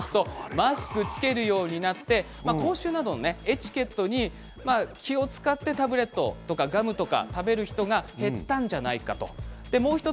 マスクを着けることになって口臭などのエチケットに気を遣ってタブレットを食べる人が減ったんじゃないか。